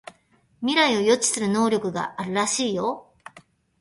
未来を予知する能力があるらしいよ